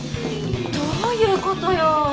どういうことよ？